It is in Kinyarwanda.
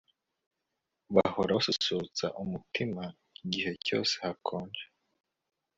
bahora basusurutsa umutima igihe cyose hakonje